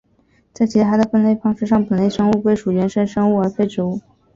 在其他的分类方式上本类生物归属于原生生物而非植物。